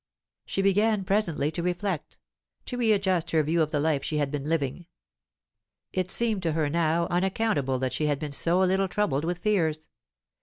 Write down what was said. She began presently to reflect, to readjust her view of the life she had been living. It seemed to her now unaccountable that she had been so little troubled with fears.